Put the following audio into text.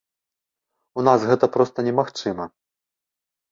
У нас гэта проста немагчыма.